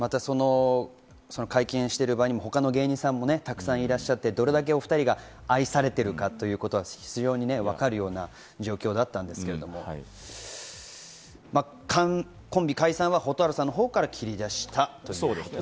会見している場にも他の芸人さんもたくさんいらっしゃってどれだけ２人が愛されているかということは分かるような状況だったんですけれども、コンビ解散は蛍原さんのほうから切り出したということで。